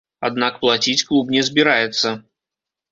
Аднак плаціць клуб не збіраецца.